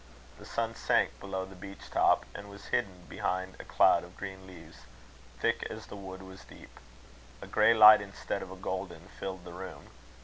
The sun sank below the beech top, and was hidden behind a cloud of green leaves, thick as the wood was deep. A grey light instead of a golden filled the room.